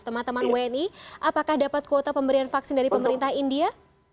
teman teman wni apakah dapat kuota pemberian vaksin dari pemerintah india